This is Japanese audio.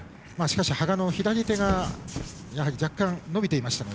羽賀の左手が若干伸びていました。